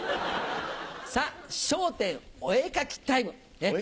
さぁ『笑点』お絵描きタイム。